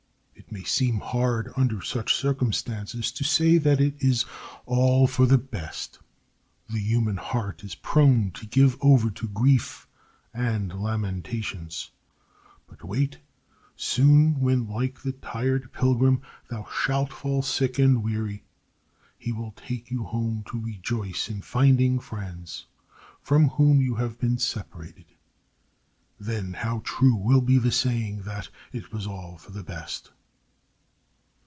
It may seem hard under such circumstances to say that it is "all for the best." The human heart is prone to give over to grief and lamentations; but wait, soon, when like the tired pilgrim thou shalt fall sick and weary, He will take you home to rejoice in finding friends from whom you have been separated. Then how true will be the saying that "it was all for the best!"